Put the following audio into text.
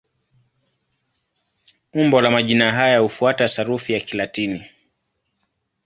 Umbo la majina haya hufuata sarufi ya Kilatini.